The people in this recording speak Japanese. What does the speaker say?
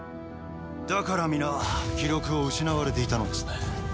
だから皆気力を失われていたのですね。